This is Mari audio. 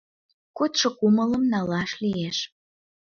Кодшо кумылым налаш лиеш